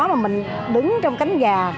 mình đứng trong cánh gà